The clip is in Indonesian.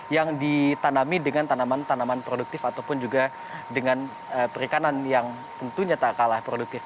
yang ditanami dengan tanaman tanaman produktif ataupun juga dengan perikanan yang tentunya tak kalah produktif